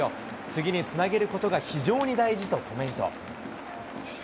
次につなげることが非常に大事とコメント。